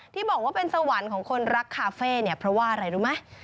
ที่บอกว่าเป็นสวรรค์ของคนรักคาเฟ่เนี่ยเพราะว่าอะไรรู้ไหม